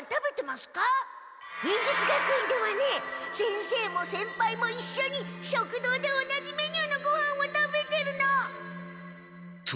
忍術学園ではね先生も先輩もいっしょに食堂で同じメニューのごはんを食べてるの！と。